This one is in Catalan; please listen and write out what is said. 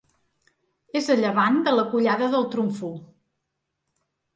És a llevant de la Collada del Trumfo.